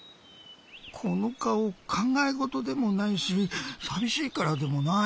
このかおかんがえごとでもないしさびしいからでもない。